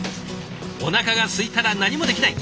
おなかがすいたら何もできない。